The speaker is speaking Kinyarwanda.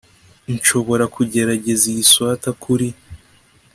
Nshobora kugerageza iyi swater kuri